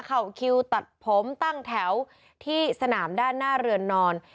เข้าคิวตัดผมตั้งแถวที่สนามด้านหน้าเรือนนอน